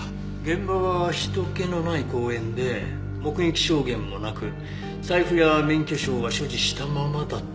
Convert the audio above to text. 現場は人けのない公園で目撃証言もなく財布や免許証は所持したままだった。